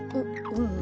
うん。